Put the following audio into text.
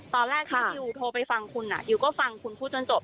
ตอนแรกที่ดิวโทรไปฟังคุณดิวก็ฟังคุณพูดจนจบ